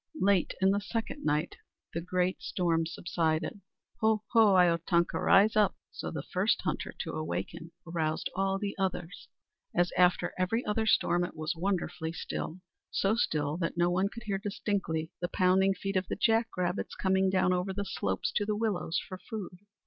Late in the second night the great storm subsided. "Ho, ho! Iyotanka! Rise up!" So the first hunter to awaken aroused all the others. As after every other storm, it was wonderfully still; so still that one could hear distinctly the pounding feet of the jack rabbits coming down over the slopes to the willows for food.